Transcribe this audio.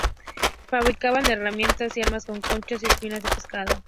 Fabricaban herramientas y armas con conchas y espinas de pescado.